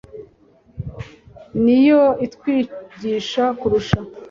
ni yo itwigisha kurusha